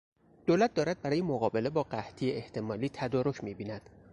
دولت دارد برای مقابله با قحطی احتمالی تدارک میبیند.